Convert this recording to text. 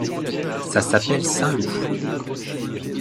Ça s’appelle Saint-Loup.